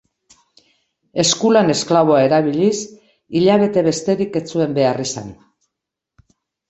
Eskulan esklaboa erabiliz, hilabete besterik ez zuen behar izan.